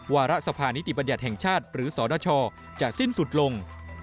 วาระสภานิติบัญญัติแห่งชาติหรือสนชจะสิ้นสุดลง